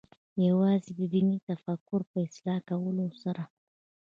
یوازې د دیني تفکر په اصلاح کولو سره.